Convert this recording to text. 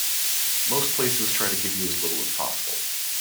Most places try to give you as little as possible.